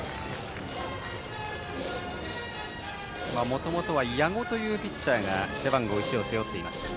もともとは矢後というピッチャーが背番号１を背負っていました。